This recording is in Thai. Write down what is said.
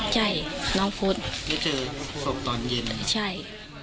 ใช่น้องโฟสได้เจอศพตอนเย็นใช่